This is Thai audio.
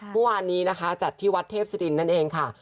เมื่อวานนี้นะคะจัดที่วัดเทพศิรินนั่นเองค่ะ